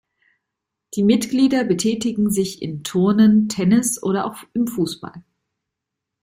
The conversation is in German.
Die Mitglieder betätigen sich im Turnen, Tennis oder auch im Fußball.